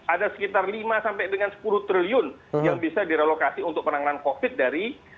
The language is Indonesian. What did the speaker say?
ada sekitar lima sampai dengan sepuluh triliun yang bisa direlokasi untuk penanganan covid dari